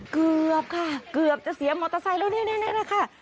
เกือบค่ะเกือบจะเสียมอเตอร์ไซค์แล้วนี่นะคะ